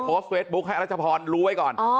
โพสต์เฟซบุ๊คให้รัชพรรู้ไว้ก่อน